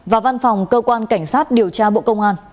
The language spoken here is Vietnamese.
và văn phòng cơ quan cảnh sát điều tra bộ công an